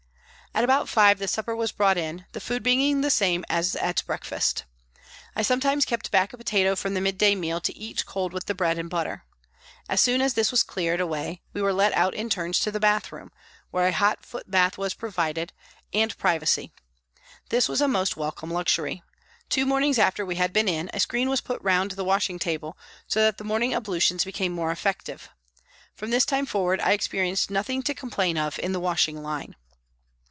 At about five the supper was brought in, the food being the same as at breakfast. I sometimes kept back a potato from the midday meal to eat cold with the bread and butter. As soon as this was cleared away we were let out in turns to the bath room, where a hot foot bath was provided, and privacy. This was a most welcome luxury. Two mornings after we had been in, a screen was put round the washing table so that the morning ablutions became more effective. From this time forward I ex perienced nothing to complain of in the washing line.